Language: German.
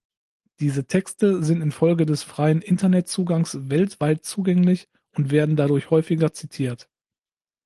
Diese Texte sind infolge des freien Internetzugangs weltweit zugänglich und werden dadurch häufiger zitiert.